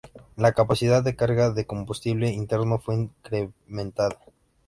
La capacidad de carga de combustible interno fue incrementada.